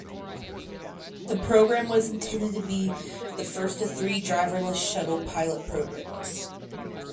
The program was intended to be the first of three driverless shuttle pilot programs.